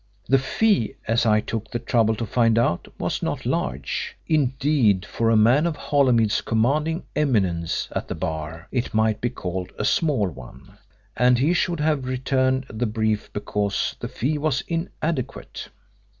The fee, as I took the trouble to find out, was not large; indeed, for a man of Holymead's commanding eminence at the bar it might be called a small one, and he should have returned the brief because the fee was inadequate.